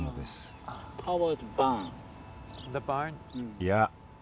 いや。